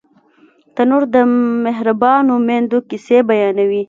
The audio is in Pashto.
تنور د مهربانو میندو کیسې بیانوي